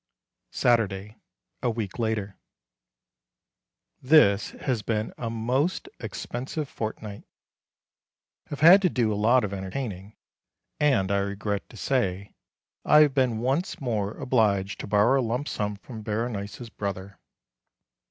Saturday, a week later. This has been a most expensive fortnight. Have had to do a lot of entertaining, and I regret to say I have been once more obliged to borrow a lump sum from Berenice's brother.